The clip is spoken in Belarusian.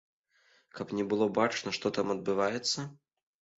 Каб не было бачна, што там адбываецца?